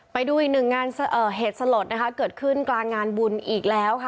ไปดูอีกหนึ่งงานเหตุสลดนะคะเกิดขึ้นกลางงานบุญอีกแล้วค่ะ